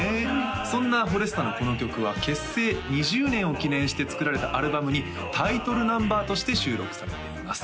そんなフォレスタのこの曲は結成２０年を記念して作られたアルバムにタイトルナンバーとして収録されています